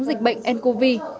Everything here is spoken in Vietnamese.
dịch bệnh ncov